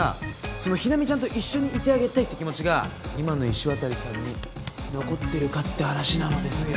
その「日菜美ちゃんと一緒にいてあげたい」っていう気持ちが今の石渡さんに残ってるかって話なのですよ。